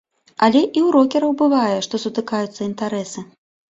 Але і ў рокераў бывае, што сутыкаюцца інтарэсы.